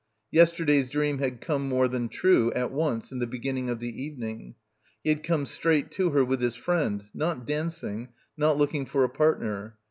Yesterday's dream had come more than true, at once, at the beginning of the evening. He had come straight to her with his friend, not dancing, not looking for a partner.